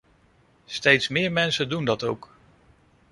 Steeds meer mensen doen dat ook.